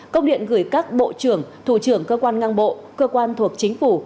công điện gửi các bộ trưởng thủ trưởng cơ quan ngang bộ cơ quan thuộc chính phủ